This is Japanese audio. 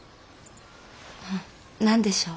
何でしょう？